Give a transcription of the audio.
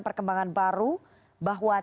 perkembangan baru bahwa